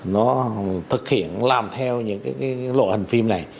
nó thực hiện làm theo những lộ hình